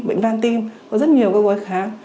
bệnh van tim có rất nhiều gói khám